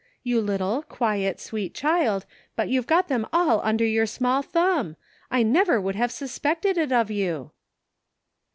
You little, quiet, sweet child, but you've got them all under your small thumb! I never would have suspected it of you."